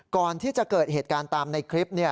ก่อนที่จะเกิดเหตุการณ์ตามในคลิป